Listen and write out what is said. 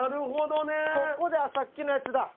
ここでさっきのやつだ